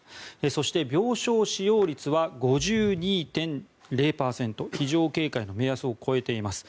そして、病床使用率は５２．０％非常警戒の目安を超えています。